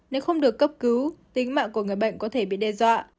nếu không được cấp cứu tính mạng của người bệnh có thể bị đe dọa